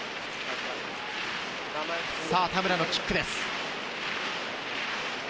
田村のキックです。